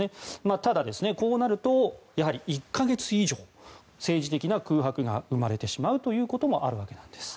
ただ、こうなるとやはり１か月以上政治的な空白が生まれてしまうということもあるそうなんです。